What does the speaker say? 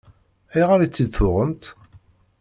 Ayɣer i tt-id-tuɣemt?